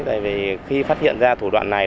tại vì khi phát hiện ra thủ đoạn này